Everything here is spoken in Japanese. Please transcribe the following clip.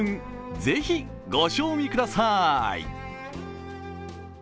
ぜひご賞味ください。